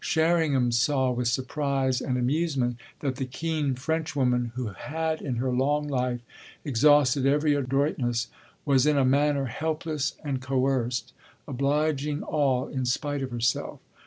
Sherringham saw with surprise and amusement that the keen Frenchwoman, who had in her long life exhausted every adroitness, was in a manner helpless and coerced, obliging all in spite of herself.